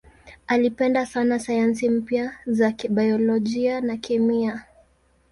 Alipenda sana sayansi mpya za biolojia na kemia.